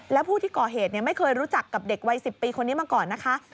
และผู้ที่ก่อเหตุไม่เคยรู้จักกับเด็กวัย๑๐ปีคนนี้มาก่อนนะคะ